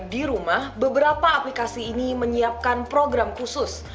di rumah beberapa aplikasi ini menyiapkan program khusus